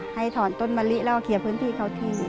ให้ถอนต้นมะลิแล้วก็เคลียร์พื้นที่เขาทิ้ง